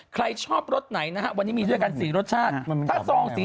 ใครชอบรสไหนนะครับวันนี้มีด้วยกันสีรสชาติ